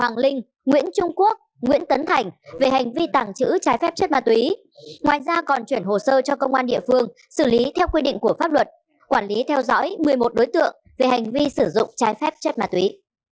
hoàng linh nguyễn trung quốc nguyễn tấn thành về hành vi tàng trữ trái phép chất ma túy ngoài ra còn chuyển hồ sơ cho công an địa phương xử lý theo quy định của pháp luật quản lý theo dõi một mươi một đối tượng về hành vi sử dụng trái phép chất ma túy